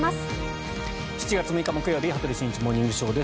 ７月６日、木曜日「羽鳥慎一モーニングショー」。